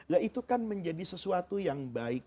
nah itu kan menjadi sesuatu yang baik